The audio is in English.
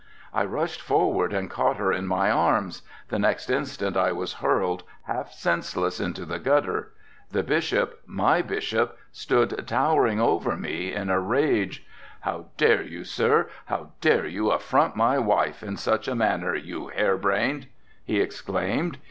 I rushed forward and caught her in my arms, the next instant I was hurled half senseless into the gutter. The bishop, my bishop, stood towering over me in a rage." "'How dare you sir, how dare you affront my wife in such a manner, you hair brained?' he exclaimed.